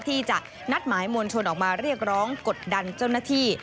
ที่จะนัดหมายมวลชนออกมาเรียกร้องกดดันเจ้าหน้าที่